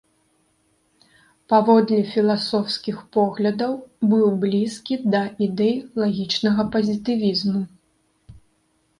Паводле філасофскіх поглядаў быў блізкі да ідэй лагічнага пазітывізму.